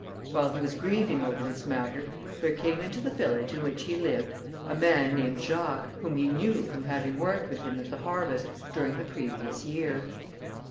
While he was grieving over this matter, there came into the village in which he lived a man named Jacques, whom he knew from having worked with him at the harvest, during the previous year.